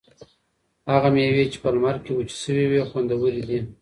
هغه مېوې چې په لمر کې وچې شوي وي خوندورې دي.